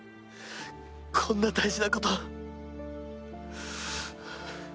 こんな大事なこと。